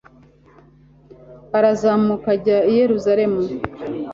arazamuka ajya i yeruzalemu